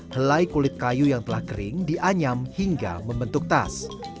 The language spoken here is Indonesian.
helai kulit kayu yang telah kering dianyam hingga membentuk tas